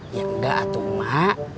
ya nggak atuh emak